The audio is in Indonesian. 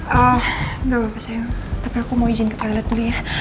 gak apa apa sayang tapi aku mau izin ke toilet dulu ya